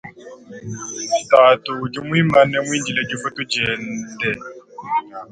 Tatu udi muimana muindile difutu diende.